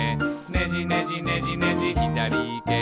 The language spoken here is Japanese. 「ねじねじねじねじひだりいけ」